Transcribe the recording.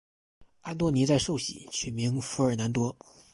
安多尼在受洗取名福尔南多。